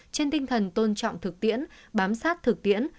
trên tinh thần tôn trọng thực tiễn bám sát thực tiễn